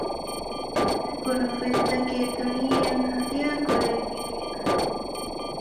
ގިނަގުނަ ފޮތްތަކެއް ދުނިޔެއަށް ހަދިޔާކުރެއްވި ބޭކަލެއް